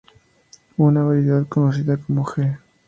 Una variedad conocida como "G".